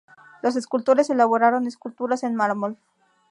Los escultores elaboraron esculturas en mármol.